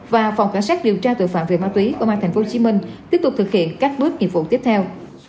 và phòng cảnh sát điều tra tội phạm về ma túy công an tp hcm tiếp tục thực hiện các bước nghiệp vụ tiếp theo